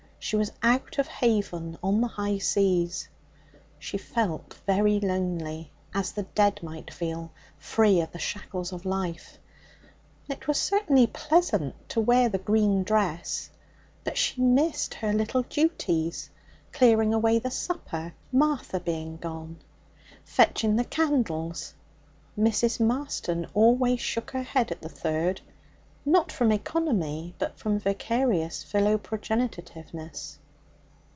She was out of haven on the high seas. She felt very lonely as the dead might feel, free of the shackles of life. It was certainly pleasant to wear the green dress. But she missed her little duties clearing away the supper, Martha being gone; fetching the candles (Mrs. Marston always shook her head at the third, not from economy, but from vicarious philoprogenitiveness).